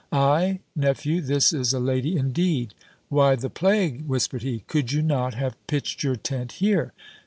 "Ay, nephew, this is a lady indeed! Why the plague," whispered he, "could you not have pitched your tent here?